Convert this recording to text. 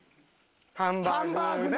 ハンバーグな！